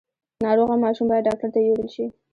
ناروغه ماشوم باید ډاکټر ته یووړل شي۔